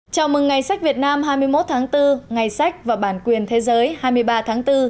chào mừng ngày sách việt nam hai mươi một tháng bốn ngày sách và bản quyền thế giới hai mươi ba tháng bốn